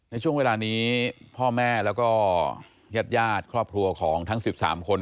ในช่วงเวลานี้พ่อแม่แล้วก็ญาติครอบครัวของทั้ง๑๓คน